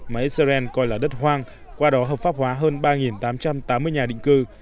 mà israel coi là đất hoang qua đó hợp pháp hóa hơn ba tám trăm tám mươi nhà định cư